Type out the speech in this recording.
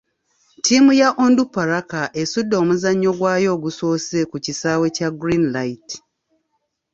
Ttiimu ya Onduparaka esudde omuzannyo gwayo ogusoose ku kisaawe kya Green Light.